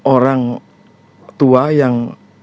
orang tua yang